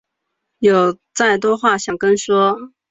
有再多话想跟说